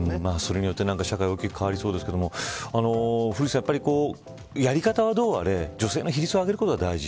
それによって社会が大きく変わりそうですけどやり方はどうあれ女性の比率を上げることが大事。